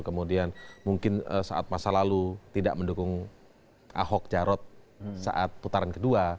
kemudian mungkin saat masa lalu tidak mendukung ahok jarot saat putaran kedua